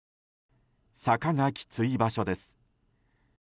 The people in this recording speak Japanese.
坂がきつい場所です。